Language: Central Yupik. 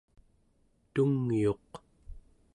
tungyuq